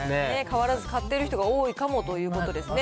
変わらず買っている人が多いかもということですね。